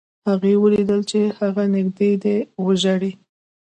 هغې ولیدل چې هغه نږدې دی وژاړي